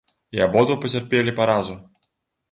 І абодва пацярпелі паразу.